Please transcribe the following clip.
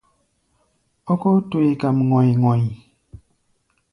Ókóo túí kam ŋɔ̧i̧-ŋɔ̧i̧.